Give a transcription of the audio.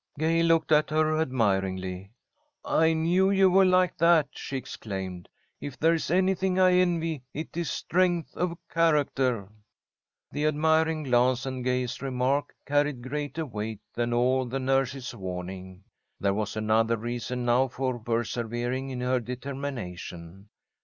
Gay looked at her admiringly. "I knew you were like that," she exclaimed. "If there is anything I envy it is strength of character." The admiring glance and Gay's remark carried greater weight than all the nurse's warning. There was another reason now for persevering in her determination.